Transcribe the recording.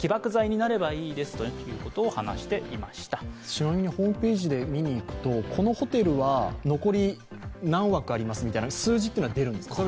ちなみにホームページに見に行くとこのホテルは残り何枠ありますみたいな数字っていうのは出るんですか。